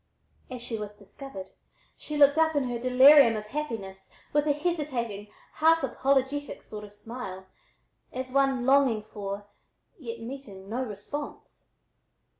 As she was "discovered" she looked up in her delirium of happiness with a hesitating, half apologetic sort of smile, as one longing for, yet meeting, no response.